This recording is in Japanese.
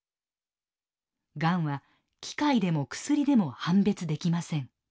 がんは機械でも薬でも判別できません。